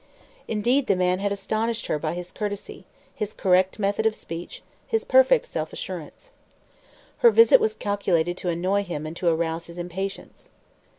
Indeed, the man had astonished her by his courtesy, his correct method of speech, his perfect self assurance. Her visit was calculated to annoy him and to arouse his impatience.